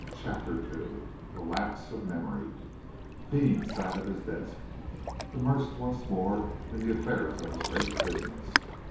CHAPTER II A LAPSE OF MEMORY Deane sat at his desk, immersed once more in the affairs of his great business.